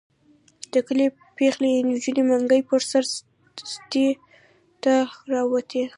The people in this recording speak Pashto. د کلي پېغلې نجونې منګي په سر سدې ته راوتې.